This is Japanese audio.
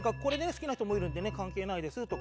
好きな人もいるんでね関係ないです」とか。